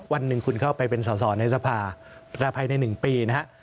วันหนึ่งคุณเข้าไปเป็นสอสอในสภาภายใน๑ปีนะฮะ